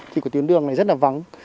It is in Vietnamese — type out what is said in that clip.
thì của tuyến đường này rất là vắng